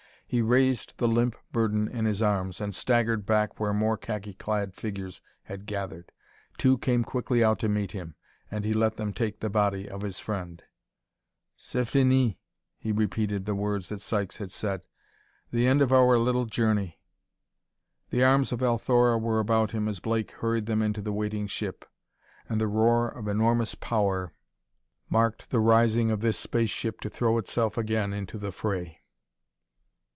He raised the limp burden in his arms and staggered back where more khaki clad figures had gathered. Two came quickly out to meet him, and he let them take the body of his friend. "C'est fini!" he repeated the words that Sykes had said; "the end of our little journey!" The arms of Althora were about him as Blake hurried them into the waiting ship, and the roar of enormous power marked the rising of this space ship to throw itself again into the fray.